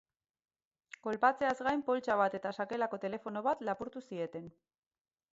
Kolpatzeaz gain, poltsa bat eta sakelako telefono bat lapurtu zieten.